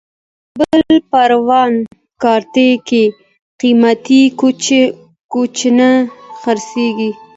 د کابل پروان کارته کې قیمتي کوچونه خرڅېږي.